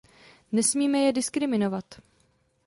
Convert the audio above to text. Nesmíme je diskriminovat.